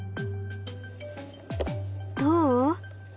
どう？